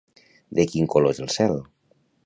De quin color és el cel?